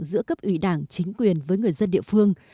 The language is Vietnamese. giữa cấp ủy đảng chính quyền với người dân địa phương